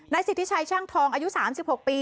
สิทธิชัยช่างทองอายุ๓๖ปี